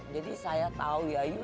jadi saya tahu yayu